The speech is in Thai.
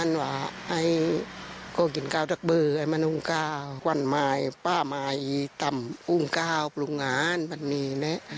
ความไหวป้าไม้ตำอุงกรรมภูมิหวานมันมีนะ